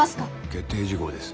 決定事項です。